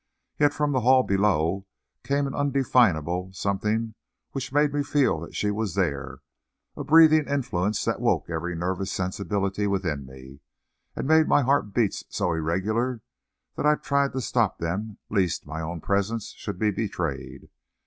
Yet from the hall below came an undefinable something which made me feel that she was there; a breathing influence that woke every nervous sensibility within me, and made my heart beats so irregular that I tried to stop them lest my own presence should be betrayed.